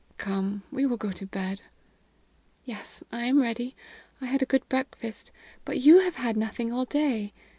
Come, we will go to bed." "Yes, I am ready; I had a good breakfast. But you have had nothing all day.